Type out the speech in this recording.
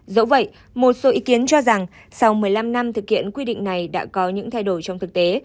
dẫu vậy một số ý kiến cho rằng sau một mươi năm năm thực hiện quy định này đã có những thay đổi trong thực tế